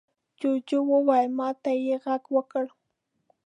جوجو وويل: ما ته يې غږ وکړ.